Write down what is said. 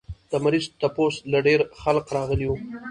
د مريض تپوس له ډېر خلق راغلي وو